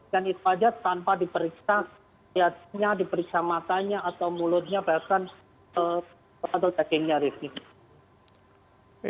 dan itu saja tanpa diperiksa liatnya diperiksa matanya atau mulutnya bahkan atau cakingnya revie